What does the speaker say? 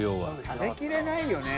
食べきれないよね。